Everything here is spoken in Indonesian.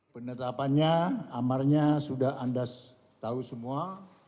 penetapannya amarnya sudah anda tahu semua